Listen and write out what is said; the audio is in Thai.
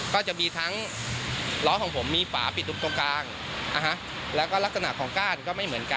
ก็จะมีทั้งล้อของผมมีฝาปิดตรงกลางนะฮะแล้วก็ลักษณะของก้านก็ไม่เหมือนกัน